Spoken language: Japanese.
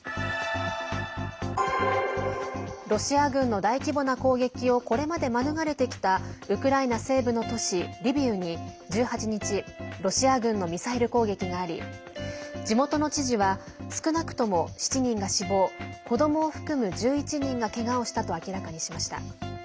ロシア軍の大規模な攻撃をこれまで免れてきたウクライナ西部の都市リビウに１８日、ロシア軍のミサイル攻撃があり地元の知事は少なくとも７人が死亡子どもを含む１１人がけがをしたと明らかにしました。